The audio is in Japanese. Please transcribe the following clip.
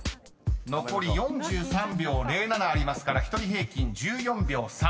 ［残り４３秒０７ありますから１人平均１４秒３］